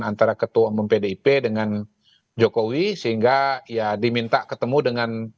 antara ketua umum pdip dengan jokowi sehingga ya diminta ketemu dengan